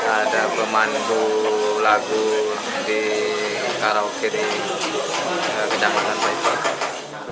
ada pemandu lagu di karaoke di kedapatan paiton